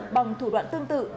bằng thủ đoạn tự nhiên